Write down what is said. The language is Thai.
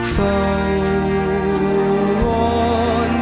เฝ้าว้อนพระสังคม